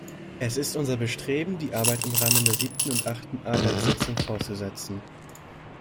Es ist unser Bestreben, die Arbeit im Rahmen der siebten und achten Arbeitssitzung fortzusetzen.